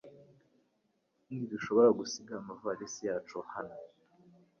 Ntidushobora gusiga amavalisi yacu hano .